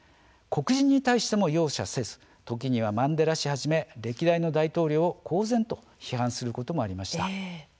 黒人に対しても容赦せず時にはマンデラ氏はじめ歴代の大統領を公然と批判することもありました。